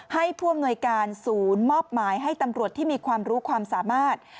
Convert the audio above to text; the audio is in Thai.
ผู้อำนวยการศูนย์มอบหมายให้ตำรวจที่มีความรู้ความสามารถ